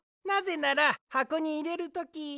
なぜならはこにいれるとき。